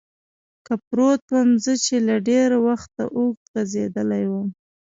کې پروت ووم، زه چې له ډېر وخته اوږد غځېدلی ووم.